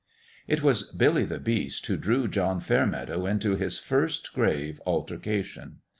It was Billy the Beast who drew John Fair meadow into his first grave altercation.